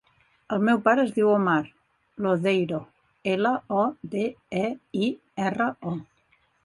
El meu pare es diu Omar Lodeiro: ela, o, de, e, i, erra, o.